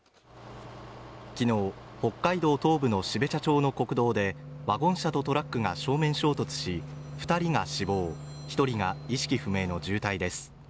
昨日北海道東部の標茶町の国道でワゴン車とトラックが正面衝突し二人が死亡一人が意識不明の重体です